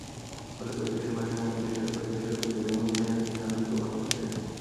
ফলে পরিবেশের ভারসাম্য বিনষ্ট হয়ে পরিবেশের ওপর দীর্ঘমেয়াদি নানা প্রভাব পড়ছে।